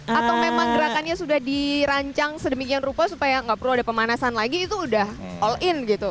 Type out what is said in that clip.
atau memang gerakannya sudah dirancang sedemikian rupa supaya nggak perlu ada pemanasan lagi itu udah all in gitu